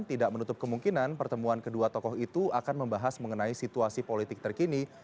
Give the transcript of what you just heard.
tidak menutup kemungkinan pertemuan kedua tokoh itu akan membahas mengenai situasi politik terkini